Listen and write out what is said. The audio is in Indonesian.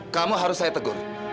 kamu harus saya tegur